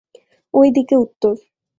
ওই দিকে উত্তর।